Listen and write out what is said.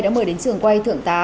đã mời đến trường quay thượng tá